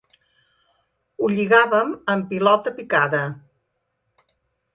Ho lligàvem en pilota picada.